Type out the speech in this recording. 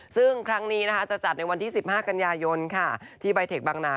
ซึ่งครั้งนี้นะคะจะจัดในวันที่๑๕กันยายนที่ใบเทคบางนา